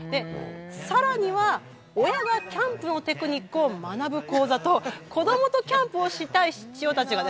さらには親がキャンプのテクニックを学ぶ講座と子どもとキャンプをしたい父親たちがですね